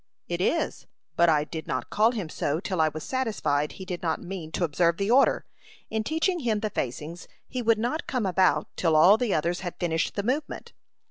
"It is; but I did not call him so till I was satisfied he did not mean to observe the order. In teaching him the facings, he would not come about till all the others had finished the movement."